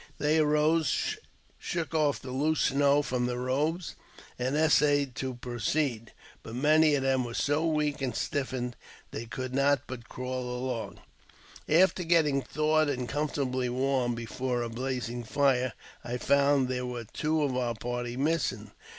'They arose and shook off the loose snow from their robes, and 'essayed to proceed. But many of them were so weak and (stiffened that they could but crawl along. After getting I thawed and comfortably warmed before a blazing fire, I found there were two of our party missing.